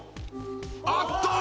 あっと！